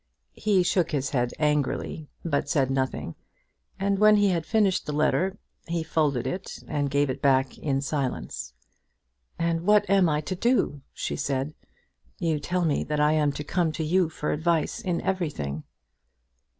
He shook his head angrily, but said nothing; and when he had finished the letter he folded it and gave it back still in silence. "And what am I to do?" she said. "You tell me that I am to come to you for advice in everything."